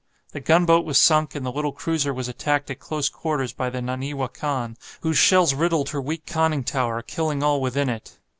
The gunboat was sunk, and the little cruiser was attacked at close quarters by the "Naniwa Kan," whose shells riddled her weak conning tower, killing all within it.